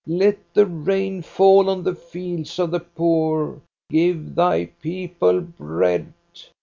Let the rain fall on the fields of the poor ! Give Thy people bread